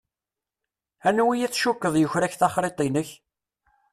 Anwa i tcukkeḍ yuker-ak taxṛiṭ-inek.